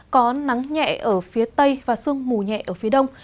có nắng nhẹ ở phía tây và sương mù nhẹ ở phía đông